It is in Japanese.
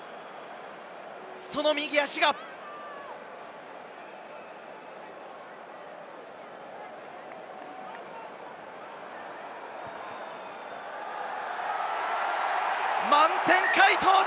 その右足が、満点解答だ！